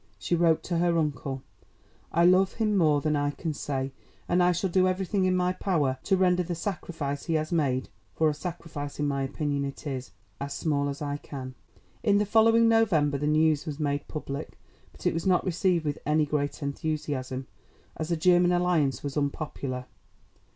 She wrote to her uncle: "I love him more than I can say, and I shall do everything in my power to render the sacrifice he has made (for a sacrifice in my opinion it is) as small as I can." In the following November the news was made public, but it was not received with any great enthusiasm, as a German alliance was unpopular.